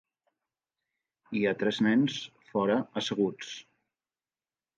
Hi ha tres nens fora asseguts.